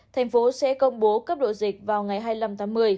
thành phố sẽ công bố cấp độ dịch vào ngày hai mươi năm tháng một mươi